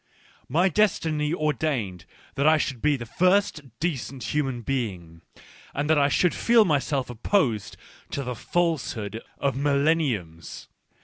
My destiny ordained that I should be the first decent human being, and that I should feel myself opposed to the falsehood of millenniums.